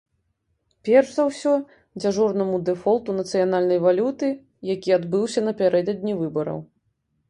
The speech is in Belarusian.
Перш за ўсё, дзяжурнаму дэфолту нацыянальнай валюты, які адбыўся напярэдадні выбараў.